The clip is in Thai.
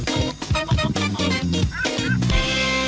ค่อยเลยล่ะ